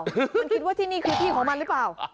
คุณคิดว่าที่นี่คือที่ของมันหรือเปล่า